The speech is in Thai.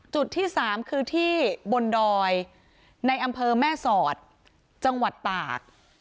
จุดที่๓คือที่บนดอยในอำเภอแม่สอดจังหวัดตาก